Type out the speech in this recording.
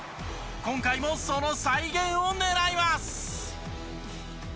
今回もその再現を狙います。